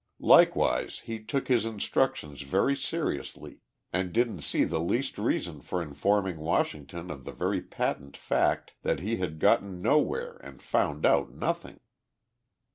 Likewise, he took his instructions very seriously and didn't see the least reason for informing Washington of the very patent fact that he had gotten nowhere and found out nothing.